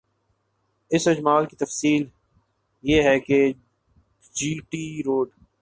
اس اجمال کی تفصیل یہ ہے کہ جی ٹی روڈ